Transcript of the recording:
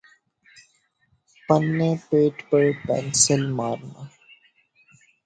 پنے پیٹ پر پنسل مارنا